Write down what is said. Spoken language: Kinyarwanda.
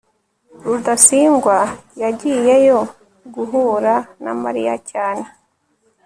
rudasingwa yagiyeyo guhura na mariya cyane